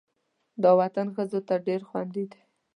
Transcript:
دا وطن ښځو ته ډېر خوندي دی.